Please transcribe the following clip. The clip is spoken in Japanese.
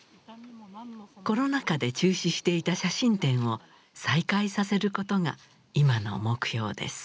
コロナ禍で中止していた写真展を再開させることが今の目標です。